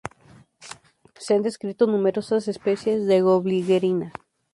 Se han descrito numerosas especies de "Globigerina".